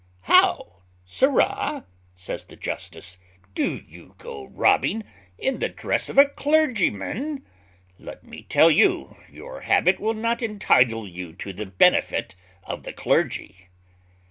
"How, sirrah," says the justice, "do you go robbing in the dress of a clergyman? let me tell you your habit will not entitle you to the benefit of the clergy."